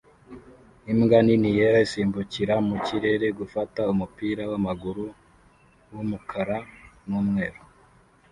Imbwa nini yera isimbukira mu kirere gufata umupira w'amaguru w'umukara n'umweru